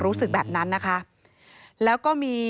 รู้สึกแบบนั้นนะคะแล้วก็มี